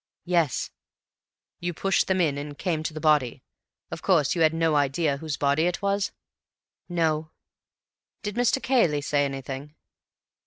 "Yes." "You pushed them in and came to the body. Of course you had no idea whose body it was?" "No." "Did Mr. Cayley say anything?"